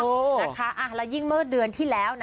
นะคะอ่าแล้วยิ่งเมื่อเดือนที่แล้วนะ